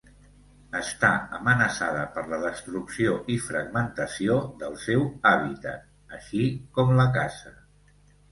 Està amenaçada per la destrucció i fragmentació del seu hàbitat, així com la caça.